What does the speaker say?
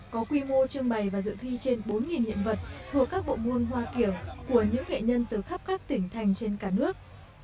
có quy mô trưng bày và dự thi trên bốn hiện vật thuộc các bộ môn hoa kiểng của những nghệ nhân từ khắp các tỉnh thành trên cả nước